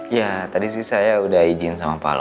iya tadi sih saya udah ijin sama pak alu